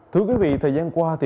thưa quý vị thời gian qua thì